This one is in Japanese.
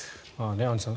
アンジュさん